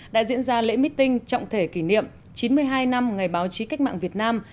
đã diễn ra lễ meeting trọng thể kỷ niệm chín mươi hai năm ngày báo chí cách mạng việt nam